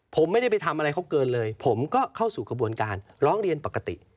ผมไม่ได้ไปทำอะไรเขาเกินเลยผมก็เข้าสู่กระบวนการร้องเรียนปกติ